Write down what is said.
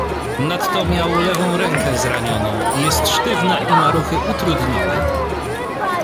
"Nadto miał lewą rękę zranioną; jest sztywna i ma ruchy utrudnione."